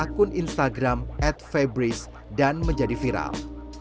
akun instagram at febris dan menjadi viral